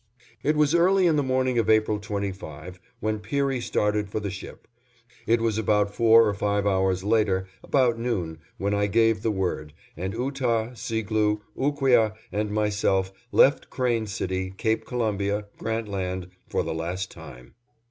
It was early in the morning of April 25 when Peary started for the ship; it was about four or five hours later, about noon, when I gave the word, and Ootah, Seegloo, Ooqueah, and myself left Crane City, Cape Columbia, Grant Land, for the last time.